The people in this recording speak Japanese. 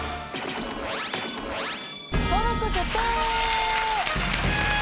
登録決定！